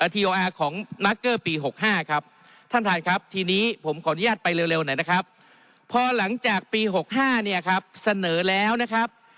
ท่านท่านครับทีนี้ผมขออนุญาตไปเร็วหน่อยนะครับพอหลังจากปีหกห้าเนี่ยครับเสนอแล้วนะครับ